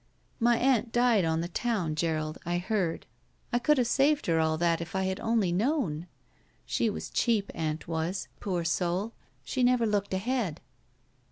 "My aunt died on the town, Gerald, I heard. I could have saved her all that if I had only known. She was cheap, aimt was. Poor soul! She never looked ahead."